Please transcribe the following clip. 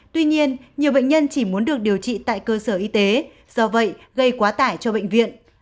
tuy nhiên nhiều bệnh nhân chỉ muốn được điều trị tại cơ sở y tế do vậy gây quá tải cho bệnh viện